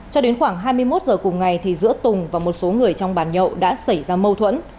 cho đến khoảng hai mươi một h cùng ngày giữa tùng và một số người trong bàn nhậu đã xảy ra mâu thuẫn